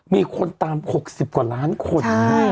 มีคนตาม๖๐กว่าล้านคน